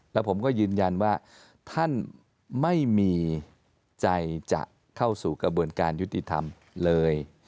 แล้วผมก็ยืนยันว่าท่านไม่มีใจจะเข้าสู่กระบวนการยุติธรรมเลย